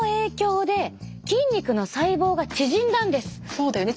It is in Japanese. そうだよね。